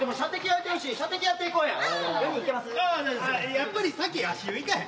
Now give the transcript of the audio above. やっぱり先足湯行かへん？